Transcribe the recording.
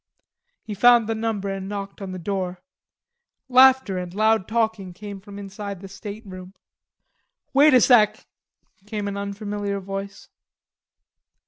He found the number and knocked on the door. Laughter and loud talking came from inside the stateroom. "Wait a sec!" came an unfamiliar voice.